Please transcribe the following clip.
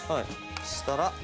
そうしたら。